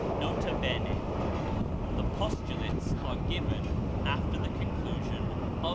N.B. The Postulates are given after the conclusion of Prop.